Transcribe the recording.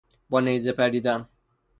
با نیزه پریدن